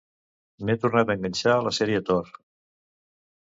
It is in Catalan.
M'he tornat a enganxar a la sèrie "Tor".